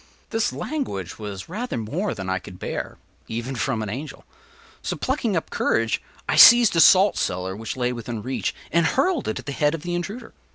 ” This language was rather more than I could bear, even from an angel; so, plucking up courage, I seized a salt cellar which lay within reach, and hurled it at the head of the intruder.